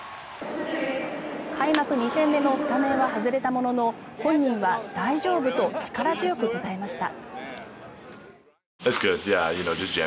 開幕２戦目のスタメンは外れたものの本人は大丈夫と力強く答えました。